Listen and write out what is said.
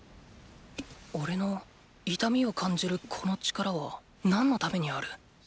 おれの痛みを感じるこの力は何のためにある？